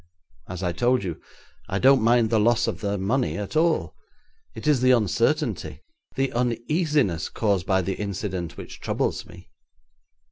'As I told you, I don't mind the loss of the money at all. It is the uncertainty, the uneasiness caused by the incident which troubles me.